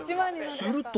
すると